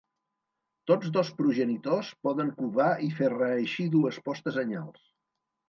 Tots dos progenitors poden covar i fer reeixir dues postes anyals.